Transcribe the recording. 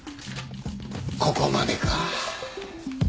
ここまでか。